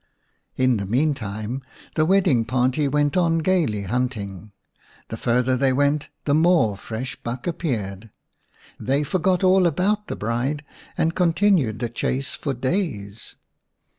In the meantime the wedding party went on gaily hunting ; the farther they went the more fresh buck/appeared. They forgot all about the bride ^rrid continued the chase for days.